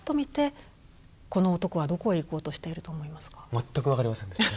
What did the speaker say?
全く分かりませんでしたね。